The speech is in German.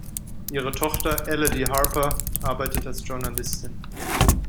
Ihre Tochter Elodie Harper arbeitet als Journalistin.